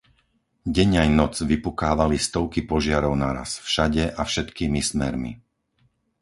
Deň aj noc vypukávali stovky požiarov naraz, všade a všetkými smermi.